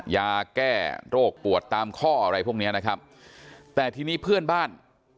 ยาแก้โรคปวดตามข้ออะไรพวกเนี้ยนะครับแต่ทีนี้เพื่อนบ้าน